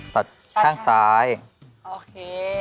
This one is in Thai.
ตัดข้างซ้ายโอเค